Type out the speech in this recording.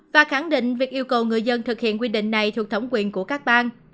và khẳng định việc yêu cầu người dân thực hiện quy định này thuộc thẩm quyền của các bang